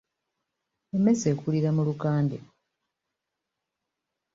Emmese ekulira mu lukande.